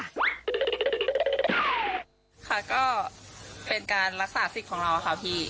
ค่ะก็เป็นการรักษาสิทธิ์ของเราค่ะพี่